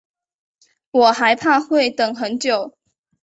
我还怕会等很久